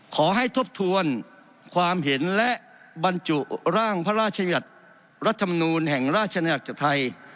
ขอให้ทบทวนความเห็นและบรรจุร่างพระราชญาณิวัติรัฐธรรมนูลแห่งราชญาณิวัติธัตรไทย